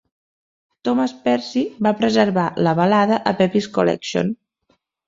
Thomas Percy va preservar la balada a "Pepys Collection".